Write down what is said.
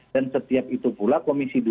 dan setiap itu pula komisi dua